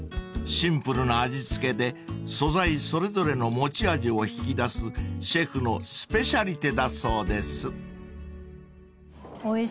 ［シンプルな味付けで素材それぞれの持ち味を引き出すシェフのスペシャリテだそうです］